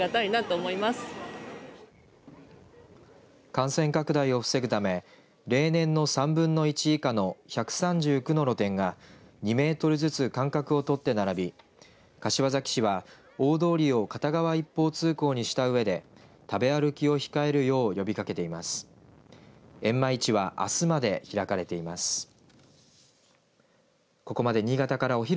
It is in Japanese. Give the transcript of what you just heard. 感染拡大を防ぐため例年の３分の１以下の１３９の露店が２メートルずつ間隔をとって並び柏崎市は大通りを片側一方通行にしたうえで食べ歩きを控えるよう呼びかけています。